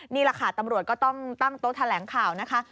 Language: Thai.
นี่แหละค่ะตำรวจก็ต้องตั้งโต๊ะแถลงข่าวนะคะ